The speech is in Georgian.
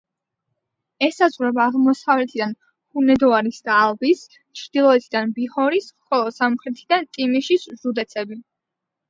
ესაზღვრება აღმოსავლეთიდან ჰუნედოარის და ალბის, ჩრდილოეთიდან ბიჰორის, ხოლო სამხრეთიდან ტიმიშის ჟუდეცები.